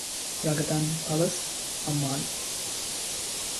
Raghadan Palace, Amman.